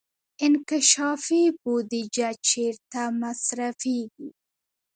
انکشافي بودجه چیرته مصرفیږي؟